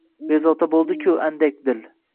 Bezovta bo’ldi-ku andak dil